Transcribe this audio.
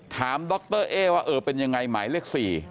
ถามดรเอ๊ว่าเป็นอย่างไรหมายเลข๔